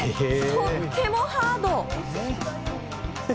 とってもハード。